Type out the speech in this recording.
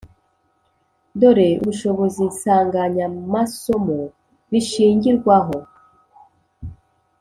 dore ubushobozi nsanganyamasomo bishingirwaho